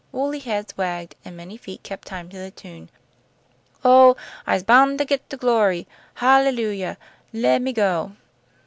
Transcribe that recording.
Woolly heads wagged, and many feet kept time to the tune: "Oh! I'se boun' to git to glory. Hallelujah! Le' me go!"